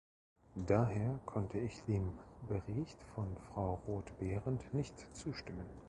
Daher konnte ich dem Bericht von Frau Roth-Behrendt nicht zustimmen.